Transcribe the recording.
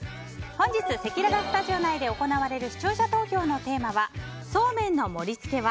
本日せきらら投票内で行われる視聴者投票のテーマはそうめんの盛りつけは？